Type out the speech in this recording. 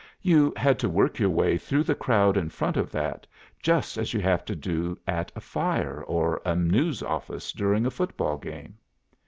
You had to work your way through the crowd in front of that just as you have to do at a fire, or a news office during a football game.